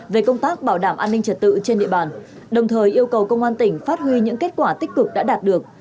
về công tác bảo đảm an ninh trật tự trên địa bàn đồng thời yêu cầu công an tỉnh phát huy những kết quả tích cực đã đạt được